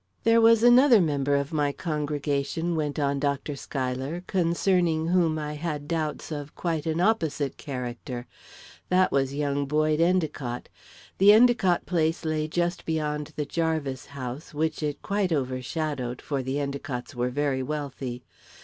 "There was another member of my congregation," went on Dr. Schuyler, "concerning whom I had doubts of quite an opposite character that was young Boyd Endicott. The Endicott place lay just beyond the Jarvis house, which it quite overshadowed, for the Endicotts were very wealthy.